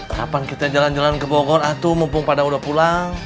kapan kita jalan jalan ke bogor aduh mumpung pada udah pulang